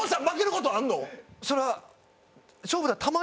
それは。